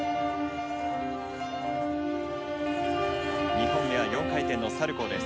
２本目は４回転のサルコーです。